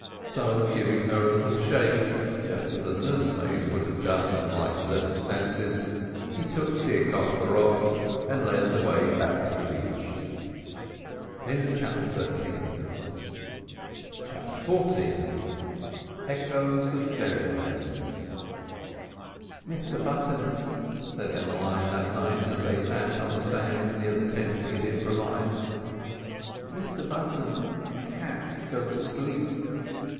So, giving her a little shake, just as a nursemaid would have done in like circumstances, he took Dick off the rock, and led the way back to the beach. CHAPTER XIV ECHOES OF FAIRY LAND "Mr Button," said Emmeline that night, as they sat on the sand near the tent he had improvised, "Mr Button—cats go to sleep."